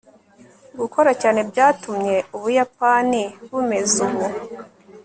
gukora cyane byatumye ubuyapani bumeze ubu